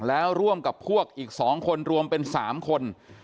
แล้วร่วมกับพวกอีก๒คนรวมเป็น๓คน